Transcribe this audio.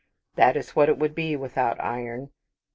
That is what it would be without iron.